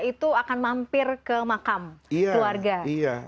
itu akan mampir ke makam keluarga